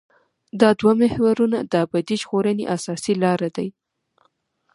دا دوه محورونه د ابدي ژغورنې اساسي لاره دي.